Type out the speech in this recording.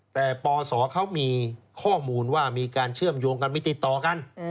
แต่ปศเขามีข้อมูลว่ามีการเชื่อมโยงกันไม่ติดต่อกัน